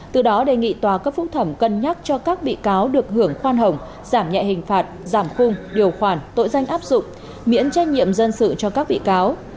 từ đó đề nghị tòa cấp phúc thẩm cân nhắc cho các bị cáo được hưởng khoan hồng giảm nhẹ hình phạt giảm khung điều khoản tội danh áp dụng miễn trách nhiệm dân sự cho các bị cáo